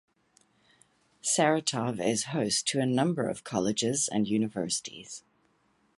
Saratov is host to a number of colleges and universities.